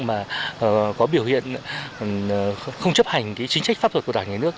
mà có biểu hiện không chấp hành chính trách pháp luật của đảng nhà nước